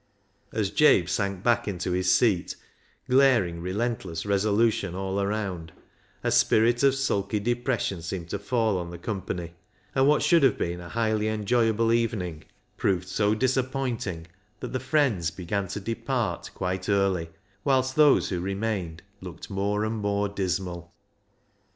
As Jabe sank back into his seat, glaring relentless resolution all around, a spirit of sulky depression seemed to fall on the company ; and what should have been a highly enjoyable even ing proved so disappointing, that the friends began to depart quite early, whilst those who remained looked more and more dismal.